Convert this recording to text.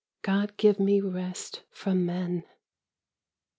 God give me rest from men